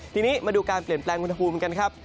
ทีนี้มาดูการเปลี่ยนแปลงอุณหภูมิกันครับ